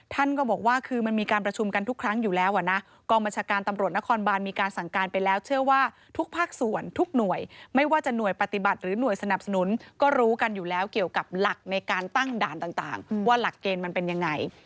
ท่านก็บอกว่าคือมันมีการประชุมกันทุกครั้งอยู่แล้วอ่ะนะกองบัญชาการตำรวจนครบานมีการสั่งการไปแล้วเชื่อว่าทุกภาคส่วนทุกหน่วยไม่ว่าจะหน่วยปฏิบัติหรือหน่วยสนับสนุนก็รู้กันอยู่แล้วเกี่ยวกับหลักในการตั้งด่านต่างว่าหลักเกณฑ์มันเป็นยังไง